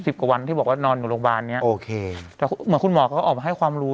กว่าวันที่บอกว่านอนอยู่โรงพยาบาลเนี้ยโอเคแต่เหมือนคุณหมอเขาออกมาให้ความรู้